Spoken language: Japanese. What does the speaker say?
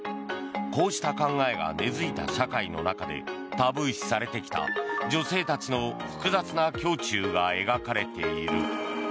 こうした考えが根付いた社会の中でタブー視されてきた女性たちの複雑な胸中が描かれている。